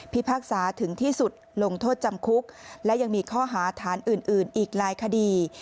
พากษาถึงที่สุดลงโทษจำคุกและยังมีข้อหาฐานอื่นอีกหลายคดี